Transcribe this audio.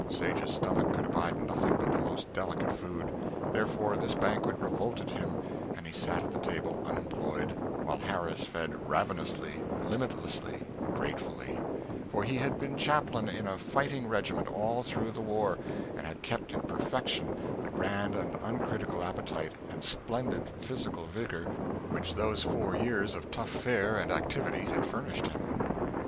Sage's stomach could abide nothing but the most delicate food, therefore this banquet revolted him, and he sat at the table unemployed, while Harris fed ravenously, limitlessly, gratefully; for he had been chaplain in a fighting regiment all through the war, and had kept in perfection the grand and uncritical appetite and splendid physical vigor which those four years of tough fare and activity had furnished him.